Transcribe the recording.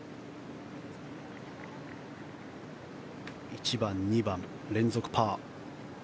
１番、２番、連続パー。